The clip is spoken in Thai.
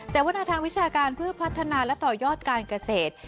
วนาทางวิชาการเพื่อพัฒนาและต่อยอดการเกษตร